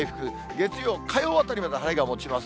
月曜、火曜あたりまで晴れがもちます。